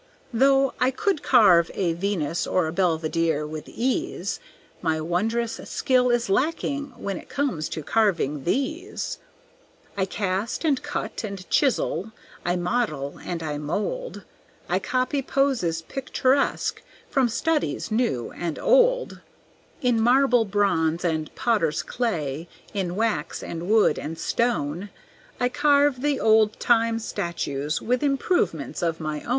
Though I could carve a Venus or a Belvedere with ease, My wondrous skill is lacking when it comes to carving these. "I cast and cut and chisel, I model and I mould, I copy poses picturesque from studies new and old; In marble, bronze, and potter's clay, in wax and wood and stone I carve the old time statues with improvements of my own.